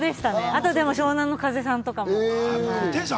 あと湘南乃風さんとかも。